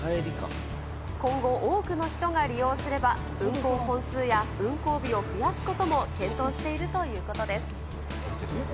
今後、多くの人が利用すれば、運航本数や運航日を増やすことも検討しているということです。